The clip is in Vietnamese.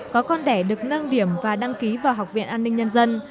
có con đẻ được nâng điểm và đăng ký vào học viện an ninh nhân dân